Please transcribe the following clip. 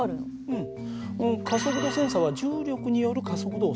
うん。